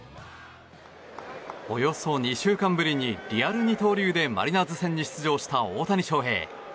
およそ２週間ぶりにリアル二刀流でマリナーズ戦に出場した大谷翔平。